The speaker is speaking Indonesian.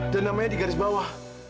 dan namanya di garis bawah